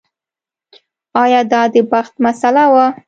ایا دا د بخت مسئله وه.